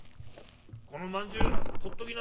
『このまんじゅうとっときな。